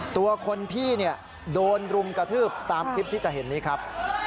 ตัวคนพี่เนี่ยโดนรุมกระทืบตามคลิปที่จะเห็นนี้ครับ